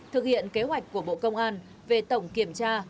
thực hiện kế hoạch của bộ công an về tổng kiểm tra